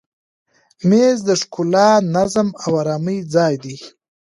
مېز د ښکلا، نظم او آرامي ځای دی.